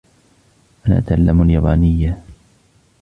أنا أتعلم اليابانية.